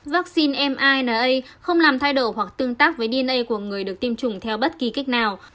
vaccine mina không làm thay đổi hoặc tương tác với dna của người được tiêm chủng theo bất kỳ cách nào